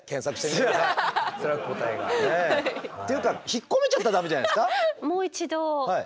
答えが。っていうか引っ込めちゃったらダメじゃないですか。